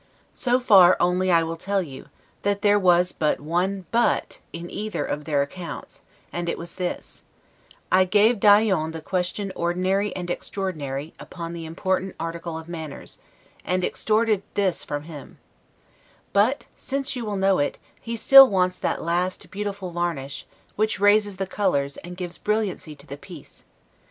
So far only I will tell you, that there was but one BUT in either of their accounts; and it was this: I gave d'Aillon the question ordinary and extraordinary, upon the important article of manners; and extorted this from him: But, since you will know it, he still wants that last beautiful varnish, which raises the colors, and gives brilliancy to the piece.